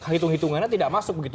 hitung hitungannya tidak masuk begitu